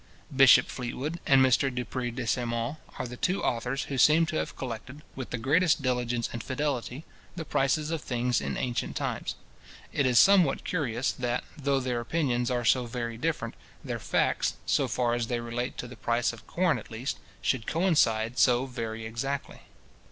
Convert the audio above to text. Bishop Fleetwood and Mr Dupré de St Maur are the two authors who seem to have collected, with the greatest diligence and fidelity, the prices of things in ancient times. It is somewhat curious that, though their opinions are so very different, their facts, so far as they relate to the price of corn at least, should coincide so very exactly.